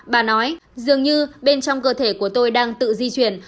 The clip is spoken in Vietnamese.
bà nói dường như bên trong cơ thể của tôi đang tự di chuyển